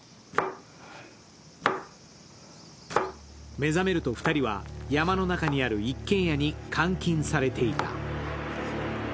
目覚めると２人は、山の中にある一軒家に監禁されていた。